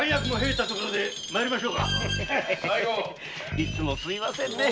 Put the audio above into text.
いつもすみませんねえ。